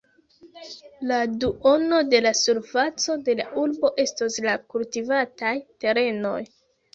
La duono de la surfaco de la urbo estos la kultivataj terenoj.